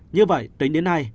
như vậy tính đến nay